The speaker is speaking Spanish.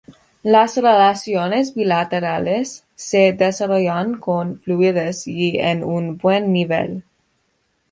Las relaciones bilaterales se desarrollan con fluidez y en un buen nivel.